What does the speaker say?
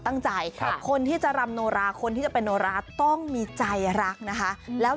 ตั้งใจครับคนที่จะรำโนราคนที่จะเป็นโนราต้องมีใจรักนะคะแล้ว